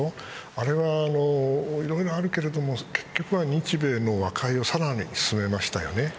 あれはいろいろあるけれど結局は日米の和解をさらに進めましたよね。